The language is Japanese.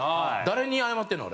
誰に謝ってんの？